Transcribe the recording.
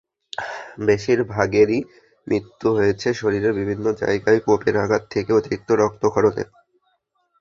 বেশির ভাগেরই মৃত্যু হয়েছে শরীরের বিভিন্ন জায়গায় কোপের আঘাত থেকে অতিরিক্ত রক্তক্ষরণে।